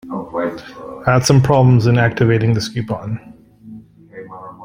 I had some problems in activating this coupon.